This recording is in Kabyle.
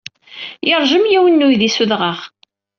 Yeṛjem yiwen n uydi s udɣaɣ.